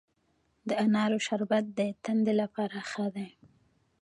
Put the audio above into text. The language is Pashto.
د انارو شربت د تندې لپاره ښه دی.